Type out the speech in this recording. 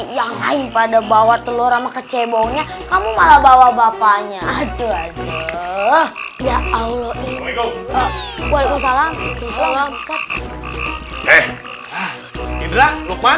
yang lain pada bawa telur ama kecebongnya kamu malah bawa bapaknya aduh ya allah